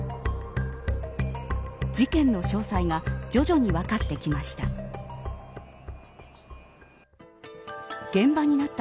事件の詳細が徐々に分かってきました。